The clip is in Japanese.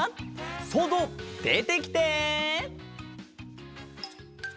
そうぞうでてきて！